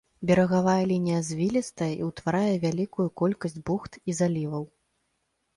Берагавая лінія звілістая і ўтварае вялікую колькасць бухт і заліваў.